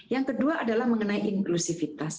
yang kedua adalah mengenai inklusivitas